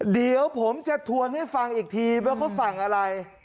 เดี๋ยวผมจะทวนให้ฟังอีกทีว่าเขาสั่งอะไร